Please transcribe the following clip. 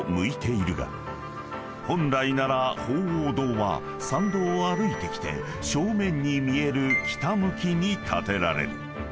［本来なら鳳凰堂は参道を歩いてきて正面に見える北向きに建てられる］